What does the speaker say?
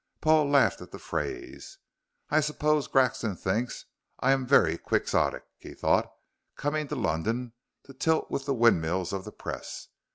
Paul laughed at the phrase. "I suppose Grexon thinks I am very Quixotic," he thought, "coming to London to tilt with the windmills of the Press.